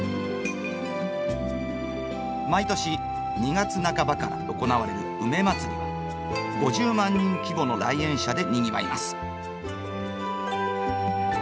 毎年２月半ばから行われる梅まつりは５０万人規模の来園者でにぎわいます。